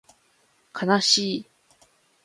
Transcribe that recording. かなしい